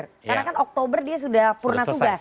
karena kan oktober dia sudah purna tugas